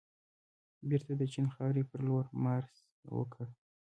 بېرته د چین خاورې پرلور مارش وکړ.